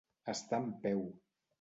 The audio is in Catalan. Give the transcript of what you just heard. Estar en peu.